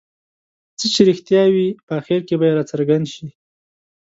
څه چې رښتیا وي په اخر کې به یې راڅرګند شي.